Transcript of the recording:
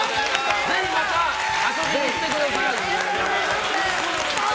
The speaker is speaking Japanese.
ぜひまた遊びに来てください。